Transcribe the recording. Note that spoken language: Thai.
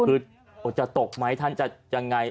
คือจะตกไหมท่านจะยังไง